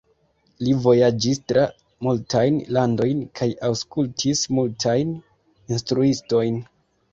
Li vojaĝis tra multajn landojn kaj aŭskultis multajn instruistojn.